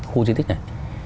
khu di tích này